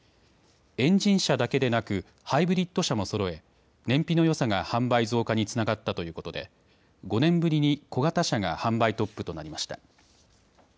エンジン車だけでなくハイブリッド車もそろえ燃費のよさが販売増加につながったということで５年ぶりに小型車が販売トップとなりました。